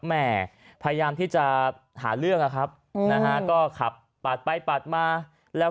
แม่พยายามที่จะหาเรื่องอะครับนะฮะก็ขับปาดไปปาดมาแล้ว